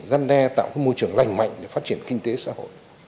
gian đe tạo một môi trường lành mạnh để phát triển kinh tế xã hội